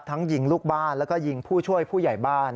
ยิงลูกบ้านแล้วก็ยิงผู้ช่วยผู้ใหญ่บ้าน